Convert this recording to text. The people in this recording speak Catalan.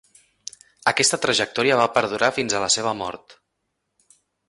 Aquesta trajectòria va perdurar fins a la seva mort.